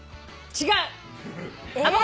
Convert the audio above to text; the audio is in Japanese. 違う。